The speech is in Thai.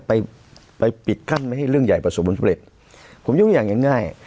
ไปไปปิดกั้นไหมให้เรื่องใหญ่ประสบบนผลิตผมยกอย่างง่ายง่าย